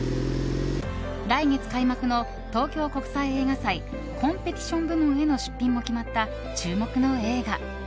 来月開幕の東京国際映画祭コンペティション部門への出品も決まった注目の映画。